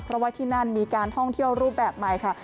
เพราะว่าที่นั่นมีการท่องเที่ยวรูปแบบใหม่ค่ะ